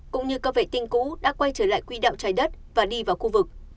cũng như các vệ tinh cũ đã quay trở lại quỹ đạo trái đất và đi vào khu vực